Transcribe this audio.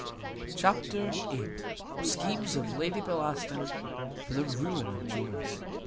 Chapter viii. Schemes of Lady Bellaston for the ruin of Jones.